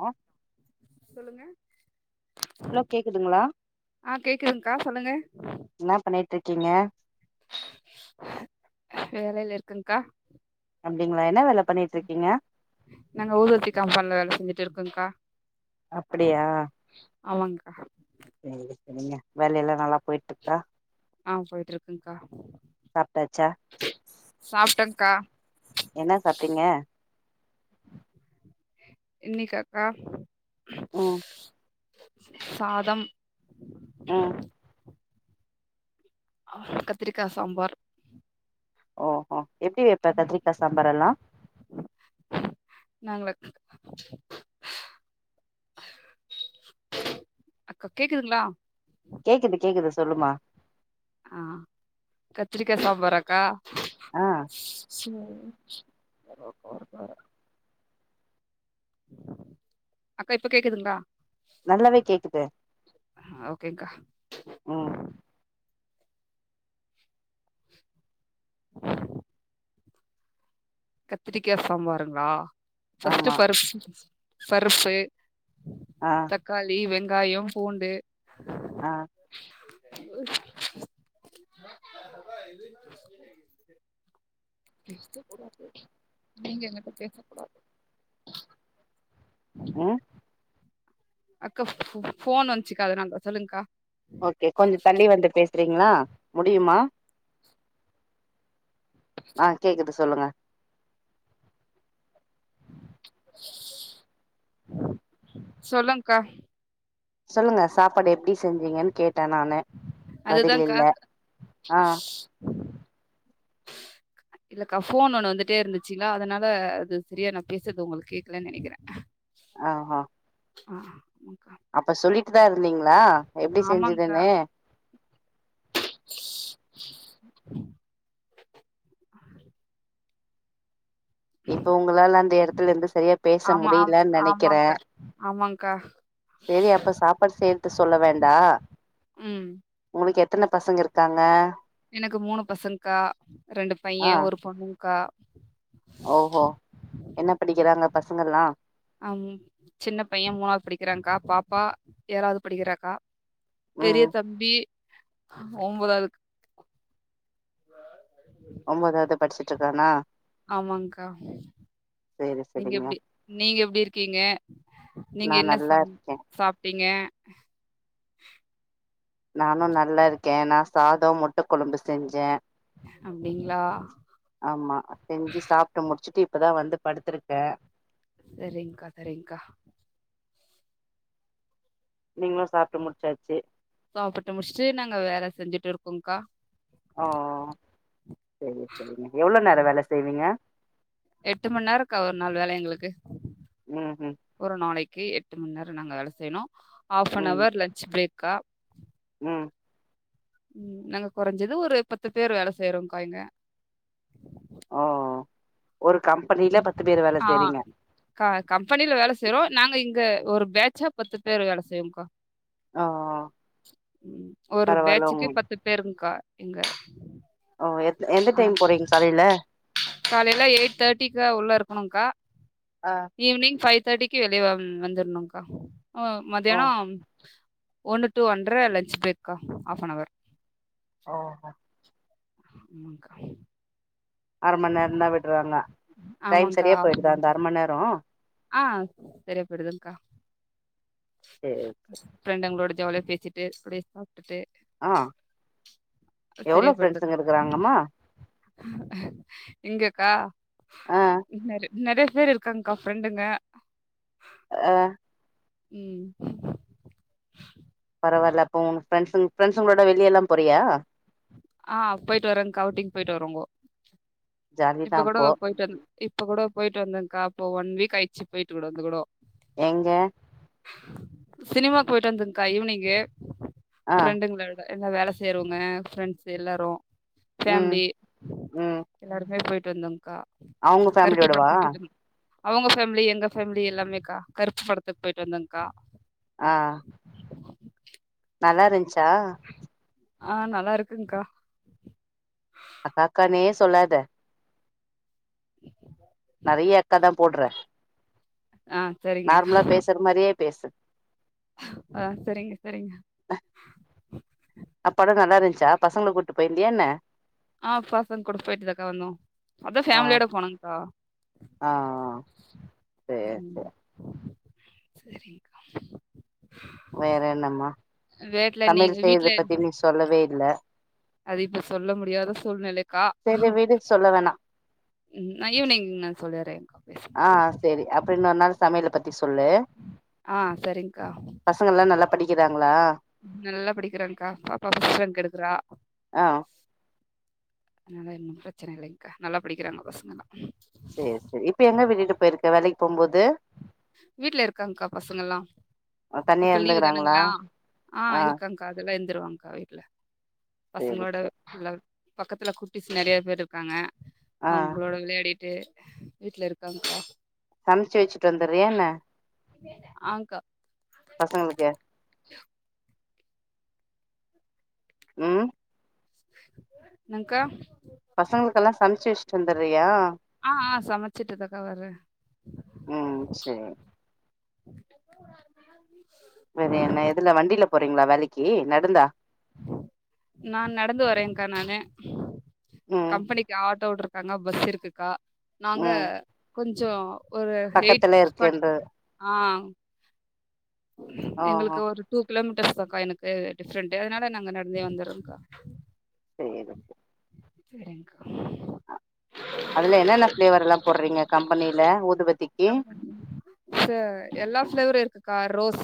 ஆ சொல்லுங்க கேக்குதுங்களா ஆஹ் கேக்குதுங்கா சொல்லுங்க என்ன பண்ணிட்டு இருக்கீங்க வேலையில இருக்கன்கா அப்படிங்களா என்ன வேல பண்ணிட்டு இருக்கீங்க நாங்க ஊதுபத்தி கம்பன்ல வேல செஞ்சுட்டு இருக்கன்கா அப்படியா அமங்கங்க சேரி சேரிங்க வேலல்லாம் நல்லா போயிட்டு இருக்கா அஹ் போயிட்டு இருக்குகா சாப்பிட்டாச்சா சாப்பிட்டேன்கா என்ன சாப்பிட்டீங்க இன்னிக்காக்கா உம் சாதம் உம் அ கத்திரிக்கா சாம்பார் ஓஹோ எப்டி வப்ப கத்திரிக்கா சாம்பார் எல்லா நாங்களக் அக்கா கேக்குதுங்ளா கேக்குது கேக்குது சொல்லுமா ஆ கத்திரிக்கா சாம்பரா கா ஆ [unintelligible] செரி [unintelligible] அக்கா இப்ப கேக்குதுங்களா நல்லாவே கேக்குது ஆ, ஓகேங்க்கா உம் கத்திரிக்கா சாம்பாருங்ளா ஃபஸ்ட் ஆமா [unintelligible] ஃபருப்பு ஆ தக்காளி வெந் காயோ பூண்டு ஆஹ் [inaudible] நீங்க எங்னிட்ட பேசக் கூடாது ம் அக்கா ஃப் ஃபோன் வன்சு கா அதனாலதா சொல்லுங்கா ஓகே கொஞ்சொ தள்ளி வந்து பேசுறீங் னா முடியுமா ஆஹ் கேக்குது சொ சொல்லுங்க சொல்லுங்கா சொல்லுங்க சாப்பாடு எப்டி செஞ்சீங்கன் கேட் ட்ட நானு பதில் அதுதான்க்கா இல்லை ஆஹ் இல்லகா ஃபோன் ஒண்ணு வந்துட்டே இருந்துச்சுங்களா அதனால அது சரியா நா பேசுறது உங்களுக்கு கேடக்கல நினைக்கிற ஆஹ்ஹா ஆஹ் அப்ப சொல்லிட்டுதா இரு நீங்களா எப்டி ஆமாங்க்கா. செஞ்சுதுனு இப்ப உங்களால அந்த இடத்துல இருந்து சரியா பேச ஆமா ஆம் முடிலான் நெனைக்கிறே. ஆமாங்க்கா. ஆமாங்க்கா. செரி அப்ப சாப்பாட்செறது சொல்ல வேண்டா. ம். உங்களுக்கு எத்தன பசங்க இருக்காங்க எனக்கு மூணு பசங்க்கா. ரெண்டு ஆ பைய ஒரு பொண்ணு க்கா ஓஹோ என்ன படிக்கிறாங்க பசங்கல்லா அம் சின்ன பைய மூணாது படிக்கிராங்கா பாப்பா, ஏழாது படிக்கிறாக்கா பெரிய ம் தம்பி ஒம்பதாவதுக் ஒம்பதாது படிச்சுட்டுருக் தானா ஆமாங்க்கா செரி செரிங்க நீங்கெப்டி நீங்க எப்டி இருக்கீங்க. நீங்க நா என்ன நல்லா சம் இருக்கே சாப்டீங்க. நானோ நல்லா இருக்கே. நாஸ் சாதோ முட்ட கொழம்பு செஞ்சே. அப்டிங்களா? ஆமா செஞ்சு சாப்ட்டு முடிச்சுட்டு இப்பதா வந்துப் படுத்துருக்கே செரிங்க்கா செரிங்க்கா நீங்ளோ சாப்ட்டு முடிச்சாச்சு சாப்புட்டு முடிச்ட்டு நாங்க வேல செஞ்சுட்டு இருக்கோங்கா ஓ சரி சரிங்க எவ்ளோ நேர வேல செய்வீங்க? எட்டு மண் நேரக்கா ஒரு நாள் வேல எங்களுக்கு ம் ம் க்கே எட்டு மண் நேர நாங்க வேல செய்ணோ ஹாஃப் அன் ம் அவர் லஞ்ச் ப்ரேக் கா ம் ம் நாங்க கொறஞ்சது ஒரு பத்து பேரு வேல செய்றோங்கா இங்க ஓ ஒரு கம்பெனில பத்து பேர் வேல ஆ செய்றீங்க க கம்பெனில வேல செய்றோ நாங்க இங்க ஒருப் பேட்சா பத்து பேரு வேல செய்வோம்கா ஓ ம் ஒரு பரவால்ல பேட்சுக்கு உங்க பத்து பேருங்க்கா. எங்க ஓ எத் எந்த டைமு போறீங் காலைல உனுங்க்கா ஆ ஈவ்னிங் ஃபைவ் எய்ட் தர்டிக்கி வெளிய வந்துர்னுன்கா ஓ ஓ மத்தியானோ ஒன்னுட்டூ ஒண்டற லஞ்ச் பெரேக்கா ஆஃப் பன் அவர் ஓஹோ ஆமாக்கா அரமண்ணேர்தா விட்றாங்க டைம் ஆமாங்க்கா சரியா ஆமா. போயிடுதா அந்த அரமண்ணேரோ ஆ சரியாப்போய்டுதுங்க்கா சேரி ஃப்ரெண்டுங்குளோடது ஜாலியா பேசிட்டு டுடே ஆஹ் எவ்ளோ பிரரெண்ட்ஸுங்க இருக்கறாங்கம்மா எங்கெக்கா ஆ னரு நேறய பேர் இருக்காங்க்கா ஃப்ரெண்டுங்க ஆஹ் உம் ப்ஃரெண்ட்ஸ்ங்ளோட வெளிய எல்லாம் போரியா ஆஹ் போயிட்டு வரேங்க அவுட்டின் போயிட்டு வரோங்கொ ஜாலிதா இப்ப கொடோ அப்போ போயிட்டு வந் இப்போ குடோ போயிட்டு வந்தங்க்கா அப்போ ஒன் வீக் ஆயிச்சு போயிட்டு [unintelligible] எங்க சினிமா போயிட்டு வந்துங்க்கா ஈவினிங்கூ ஆ ஃப்ரெண்டுங்ளோட எல்லா வேல செய்ரூவங்கே ஃப்ரெண்ட்ஸ் எல்லாரூ ம் பேஃம்லி ம் எல்லாருமே பொயிட் டெந்தன்க்கா [unintelligible] அவுங்க பேஃம்லியோட வா அவங்க ஃபேம்லி எங்க ஃபேம்லி எல்லாமேக்கா கருப்பு படத்துக் போயிட்டு வந்தங்க்கா ஆஹ் நல்லா இருந்ச்சா ஆஹ் நல்லா இருக் இருங்கா அக்கா அக்கான்னே சொல்லாத நறீயேக்கதம் [unintelligible] போட்றே ஆ நார்ம்லா பேசுற மாரியே பேசு ஆஹ் செரிங்க செரிங்க அ படோ நல்லா இருந்துச்சா பசங்கள கூட்டு போயிர்ந்தியான்ன ஆஹ் பசங்க கூட போயிட்டுதாக்கா வந்தோ அதா ஃபேமிலியோட போனங்க்கா ஆஹ் ஆஹ் சேர் சேர் ம் செரிங்கா வேற என்னமா வேட்ல நீ சமையல் வீட்ல செய்றத பத்தி நீ சொல்லவே இல்ல அது இப்ப சொல்ல முடியாத சூழ்நிலைக்கா சரி விடு சொல்ல வேணா உம் நா ஈவினிங் நா சொல்லிறே ஆ செரி அப்ப இன்னொரு நாள் சமையல பத்தி சொல்லு ஆ சரிங்க்கா. பசங்கள்லா நல்லா படிக்கிறாங்ளா நல்லா படிக்கிறாங்க்கா பாப்பா ஃபஸ்ட் இப் ரேங்க் எடுக்குறா ஆ அதனால ஒன்னு பிரச்சன இல்லைங்க்கா நல்லா படிக்கிறாங்க பசங்கள்லா சேர் சேரி இப்ப எங்க விட்டுட்டு போயிருக்க வேலைக் போம்போது வீட்ல இருக்காங்க்கா பசங்கலா தனியா இப்ப லீவு இருந்துக்கறாங்களா தானுங்ளா ஆ இருக்காங்க்கா அதெல்லா இருந் துருவாங்க்கா வீட்ல சேரி பசங்ளோட சேரி ஃபுல்லா பக்கத்துல குட்டிஸ்சு நறையா பேரு இருக்காங்க ஆ அவ்ங்ளோட விளையாடிட் ட்டு வீட்ல இருக்காங்க்கா சம்ச்சு வெச்சிட்டு வந்துறியான்ன ஆங்க்கா பசங்களுக்கு ம் என்னங்க்கா பசங்களுக்கெல்லா சம்ச்சு வெச்சிட்டு வந்துற்றியா ஆ ஆ சமைச்சிட்டுதாக்கா வர்றே ம் சேர் வேற என்ன எதுல வண்டில போறீங்ளா வேலக்கி நடந்தா நா நடந்து வரேங்க்கா நானு ம் கம்பெனிக்கு ஆட்டோ ஓட்டுறக் காங்க பஸ் இருக்குக்கா நாங்க ம் கொஞ்சோ ஒரு ஹெயிட் பக்கத்துல ஃபாட்டி இருக்குன்ற ஆ ஓஹோ எங்களுக்கு ஒரு டூ கிலோமீட்ட டிஸ்க்கா எனக்கு டிஃப்ரெண்ட் அதனால நாங்க நடந்தே வந்துறோக்கா. சேரு சேரிங்க்கா அதுல என்னன்ன ஃபிளேவர்ல்லா போற்றீங்க கம்பனில ஊதுவத்திக்கி ஆ ரோஸ்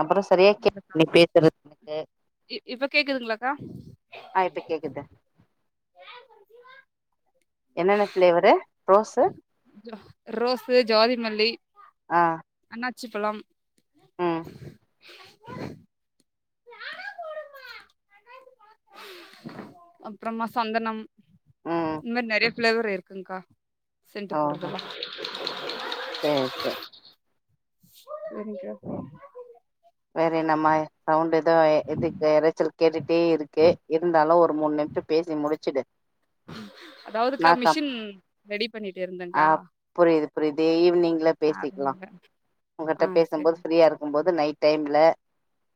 அப்பற சரியா கே இருக்குக்கா. நி பேசுறத் எனக்கு இ இப்ப கேக்குதுங்களாக்கா ஆ இப்ப கேக்குது என்னென்ன ஸ்லேவரு ப்ரோஸு ரோஸ் ஜோதி மல்லி ஆ அண்ண பிச்சிப்பழம் ம் [inaudible] அப்றமா சந்தனம் ம் இந் மாரி நெறைய ஃப்ளேவர் இருக்குங்க்கா செண்டுபுர்தல செரி செரி செரிக்க வேறு நம்ம சவுண்டு எதோ எ எதுக்கு எறச்சல் கேட்டுட்டே இருக்கு இருந்தாலு ஒரு மூணு நிம்ஷொ பேசி முடிச்சிடு அதாவதுக்கா மிஷின் ரெடி பண்ணிட்டு இருந்தேக்கா ஒரு இதே ஈவ்னிங் இல்ல பேசிக்லா உங்கிட்ட ஆ பேசும்போது சரிங்க்கா ஃப்ரீயா இருக்கும்போது நைட் டைம்ல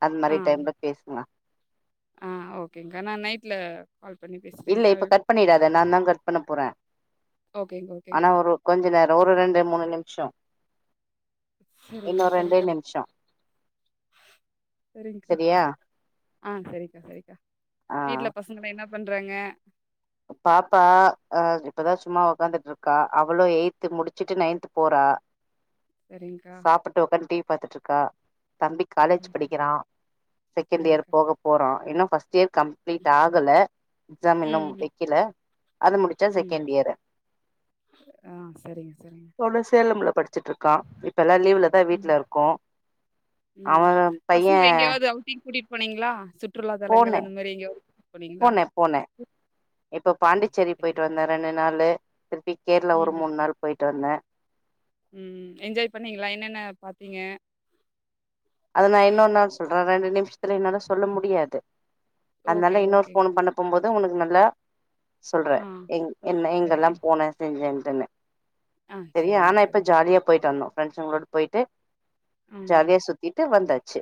அது மாரி ஆ டைம்ல பேசுங்க ஆ ஓக்கேங்கா நா நைட்ல கால் பண்ணி இல்ல பேசுறேங்க்கா இப்ப கட் பண்ணிடாத நா தா கட் பண்ண போறே ஓகேங்க்கா ஆனா ஓகேங்க்கா ஒரு கொஞ்சு நேரோ ஒரு ரெண்டு மூணு நிமிஷோ இன்னு சரிக்கா ரெண்டே சரிக்கா நிமிஷோ சரிங்கா செரியா ஆ சரிக்கா சரிக்கா ஆ வீட்ல பசங்கல்லா என்ன பண்றாங்க பாப்பா ஆ இப்பதா சும்மா உக்காந்துட்டு இருக்கா அவளோ எயி்த்து முடிச்சிட்டு நைன்த் போறா சரிங்க்கா சாப்புட்டு உக்காந்து டீவி பாத்துட்ருக்கா தம்பி காலேஜ் சரிங்க்கா படிக்கிறா செகண்ட் இயர் சரிங்க்கா போக போறோ இன்னு பஸ்ட் எய்ட் இயர் கம்ப்லீட் ஆகல எக்ஸாம் இன்னும் ம் முடி ம் கில அது முடிச்சா ம். செகெண்ட் இயர்ரு ஆ சரிங்க சரிங்க பொண்ணு சேலம்ல படிச்சுட்ருக்கா இப்ப ல்லா லீவ்லதா ம் வீட்ல இருக்கோ அவ பைய்ய போனீங்ளா சு போன போன போன இப்போ ஆ பாண்டிச்சேரி சரிங்க. போய்ட்டு வந்த ரெண்டு நாளு [unintelligible] கேர்ளா ஒரு ம், மூண் நாள் போய்ட்டு வந்த ம் என்ஜாய் பண்ணீங்ளா என்னென்ன பாத்தீங்க அது நா இன்னோர் நாள் சொல்ற ரெண்டு நிம்ஷ் என்னால சொல்ல முடியாது ஓகே, அன்னால இன்னொரு ஓகே. ஃபோன் பண்ண போம்போ உனுக்கு நல்லா சொல்ற ஆ எங் என்ன எங்கெல்லா சரிங்க. போன செஞ்சேனு என்ன ஆ தெரியு சரிங்க, ஆனா இப்ப சரிங்க. ஜாலியா போய்ட்டு வந்தோ ப்ரெண்சுங்களோடு போய்ட்டு ம். ஜாலியா சுத் ட்டு வந்தாச்சு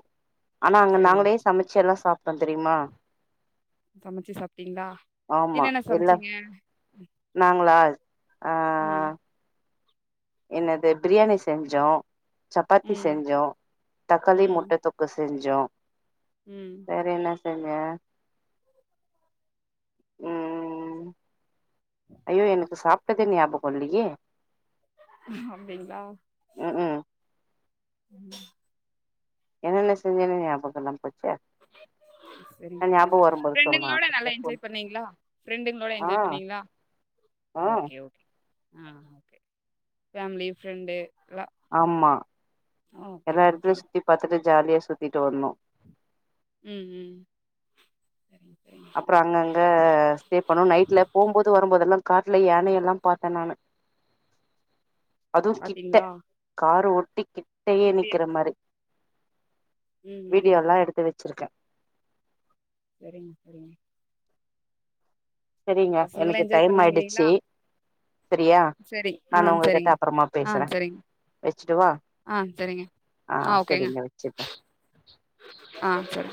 ஆனா அங்க சரிங்க. நாங்களே சமச்சு எல்லா சாப் தெரிமா சமைச்சு சாப்பிட்டீங்களா? ஆம்மா என்னென்ன எல்லா சமைச்சீங்க? நாங்களா ஆ என்னது பிரியாணி செஞ்சோ சப்பாத்தி ம், செஞ்ஜோ தக்காளி ம், முட்ட தொக்கு செஞ் ஜோ ம். வேர என்ன செ ம் ஐயோ எனக்கு சாப்ட்டதே ஞாப போட்லயே அப்டீங்ளா ம் ம் என்னன்ன செஞ்சே ஞாபக இல்லாம போ செரிங்க செரி ஃப்ரெண்டுங்ளோட [inaudible] வரும்போது ஃப்ரெண்டுங்களோட நல்லா சொல்றே எஞ்ஜாய் பண்ணீங்ளா ஃப்ரெண்டுங்ளோட ஆ எஞ்ஜாய் பண்ணீங்ளா ஆ ஓக்கே ஓக்கே ஆ ஓகே ஃபேமலி ஃபிரண்டு. ஆமா. ஓகே, எல்லா ஓகே. இடத்துலயு சுத்தி பாத்துட்டு, ஜாலியா சுத்திட்டு வந்தோ. ம் ம் சரிங்க அப்றோ அங்க அங்க ஸ்டே பண்ணோ. நைட்ல போகும்போது வரும்போதெல்லாம் காட்டுல யா யான எல்லா பாத்த நானு. அதுவு கிட்ட பாத்தீங்களா காரு ஒட் கிட்டயே நிக்கற மாரி. ம் ம் ம் வீடியோல்லா எடுத்து வெச்சிருக்க. சரிங்க, சரிங்க. செரிங்க பசங்கள்லா எனக்கு என்ஜாய் டைம் பண்ணாங்க ஆயிடுச்சி. இல்லைங்களா செரியா சரி ஆ நானு உங்ககிட்ட சரிங்க அப்புறமா ஆ பேசற சரிங்க வெச்சுடவா ஆ சரிங்க ஆ செரிங்க வெச்சுட்ர. ஆ சரி